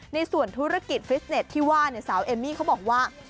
ในส่วนธุรกิจฟิสเน็ตที่ว่าสาวเอมมี่เขาบอกว่า